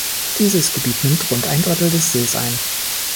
Dieses Gebiet nimmt rund ein Drittel des Sees ein.